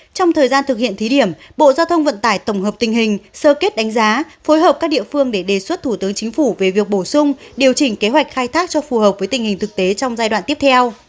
trong thời gian thực hiện thí điểm bộ giao thông vận tải tổng hợp tình hình sơ kết đánh giá phối hợp các địa phương để đề xuất thủ tướng chính phủ về việc bổ sung điều chỉnh kế hoạch khai thác cho phù hợp với tình hình thực tế trong giai đoạn tiếp theo